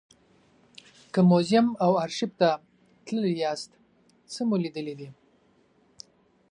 که موزیم او ارشیف ته تللي یاست څه مو لیدلي دي.